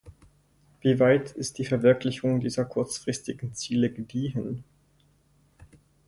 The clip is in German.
Wieweit ist die Verwirklichung dieser kurzfristigen Ziele gediehen?